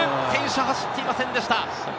選手走っていませんでした。